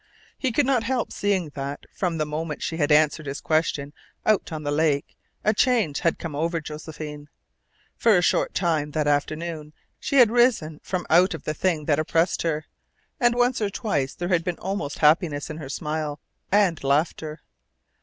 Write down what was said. He could not help seeing that, from the moment she had answered his question out on the lake, a change had come over Josephine. For a short time that afternoon she had risen from out of the thing that oppressed her, and once or twice there had been almost happiness in her smile and laughter.